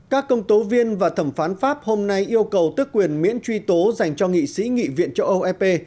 các công tố viên và thẩm phán pháp hôm nay yêu cầu tức quyền miễn truy tố dành cho nghị sĩ nghị viện châu âu ep